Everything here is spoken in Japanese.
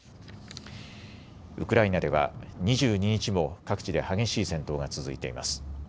ウクライナでは２２日も各地で激しい戦闘が続いています。